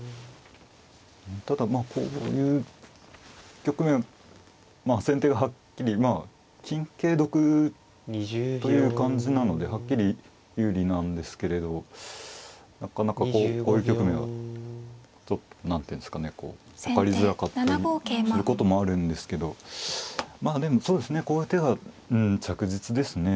ただまあこういう局面まあ先手がはっきり金桂得という感じなのではっきり有利なんですけれどなかなかこうこういう局面はちょっと何ていうんですかねこう分かりづらかったりすることもあるんですけどまあでもそうですねこういう手が着実ですね。